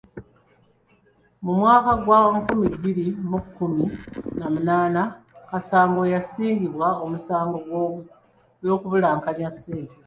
Mu mwaka gwa nkumi bbiri mu kkumi na munaana, Kasango yasingisibwa omusango gw'okubulankanya ssente.